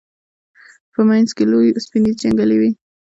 په منځ کې لوی اوسپنیزې جنګلې وې.